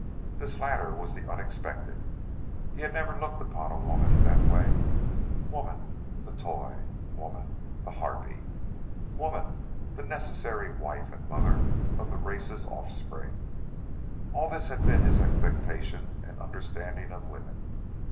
This latter was the unexpected. He had never looked upon woman in that way. Woman, the toy; woman, the harpy; woman, the necessary wife and mother of the race's offspring, all this had been his expectation and understanding of woman.